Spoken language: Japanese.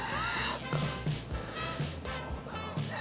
どうだろうね。